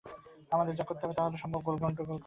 আমাদের যা করতে হবে তা হল যতটা সম্ভব গণ্ডগোল সৃষ্টি করা।